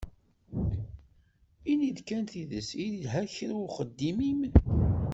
Ini-d kan tidet, yelha kra uxeddim-im?